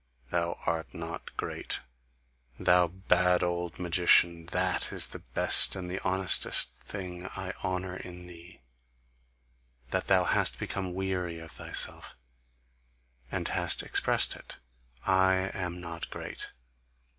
Thou art not great. Thou bad old magician, THAT is the best and the honestest thing I honour in thee, that thou hast become weary of thyself, and hast expressed it: 'I am not great.